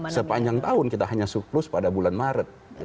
sepanjang tahun kita hanya surplus pada bulan maret